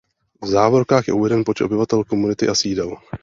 V závorkách je uveden počet obyvatel komunity a sídel.